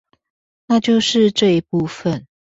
那就是這一部分